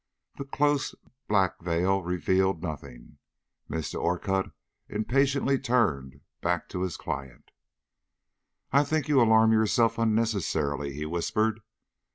The close black veil revealed nothing. Mr. Orcutt impatiently turned back to his client. "I think you alarm yourself unnecessarily," he whispered.